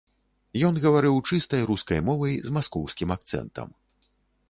Ён гаварыў чыстай рускай мовай, з маскоўскім акцэнтам.